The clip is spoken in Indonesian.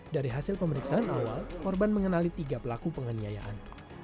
dari hasil pemeriksaan awal korban mengenali tiga pelaku penganiayaan